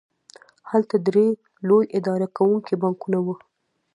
هلته درې لوی اداره کوونکي بانکونه وو